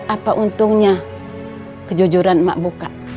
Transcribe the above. apa untungnya kejujuran emak buka